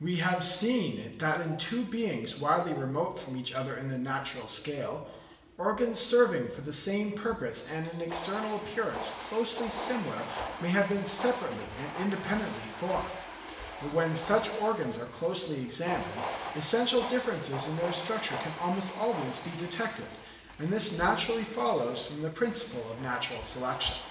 We have seen that in two beings widely remote from each other in the natural scale, organs serving for the same purpose and in external appearance closely similar may have been separately and independently formed; but when such organs are closely examined, essential differences in their structure can almost always be detected; and this naturally follows from the principle of natural selection.